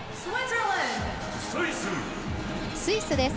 スイスです。